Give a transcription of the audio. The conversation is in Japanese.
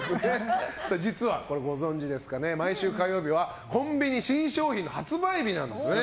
実は、ご存じですかね毎週火曜日はコンビニ新商品の発売日なんです。